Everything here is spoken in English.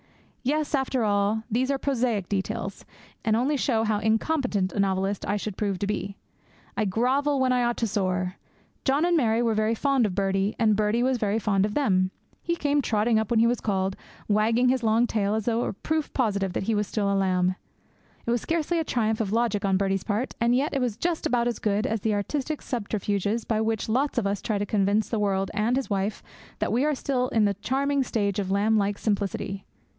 Yes, after all, these are prosaic details, and only show how incompetent a novelist I should prove to be. I grovel when I ought to soar. John and Mary were very fond of Birdie, and Birdie was very fond of them. He came trotting up when he was called, wagging his long tail as though it were proof positive that he was still a lamb. It was scarcely a triumph of logic on Birdie's part, and yet it was just about as good as the artistic subterfuges by which lots of us try to convince the world and his wife that we are still in the charming stage of lamb like simplicity.